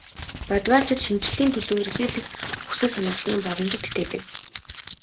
Бодгальчид шинэчлэлийн төлөө эрэлхийлэх хүсэл сонирхлын боломжид итгэдэг.